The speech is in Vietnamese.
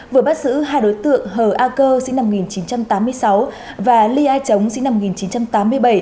vừa bắt giữ hai đối tượng hờ a cơ sinh năm một nghìn chín trăm tám mươi sáu và ly ai chống sinh năm một nghìn chín trăm tám mươi bảy